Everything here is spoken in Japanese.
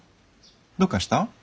どうかした？